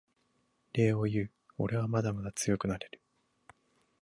礼を言うおれはまだまだ強くなれる